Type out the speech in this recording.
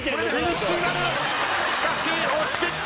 しかし押してきた！